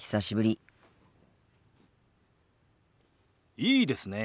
いいですねえ。